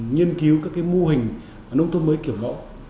nghiên cứu các mô hình nông thôn mới kiểu mẫu